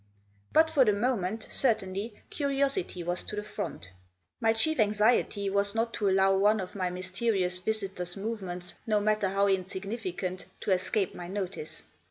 But, for the moment, certainly, curiosity was to the front. My chief anxiety was not to allow one of my mysterious visitor's movements, no matter how insignificant, to escape my notice.